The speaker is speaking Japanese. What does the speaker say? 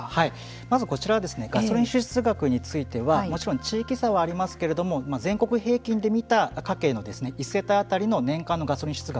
まず、こちらはガソリン支出額についてはもちろん地域差はありますけれども全国平均で見た家計の１世帯当たりの年間のガソリン支出額